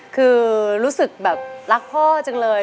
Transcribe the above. คือรู้สึกแบบรักพ่อจังเลย